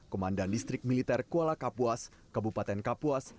komandan distrik militer kuala kapuas kabupaten kapuas